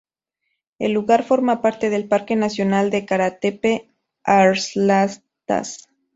El lugar forma parte del Parque Nacional de Karatepe-Arslantaş.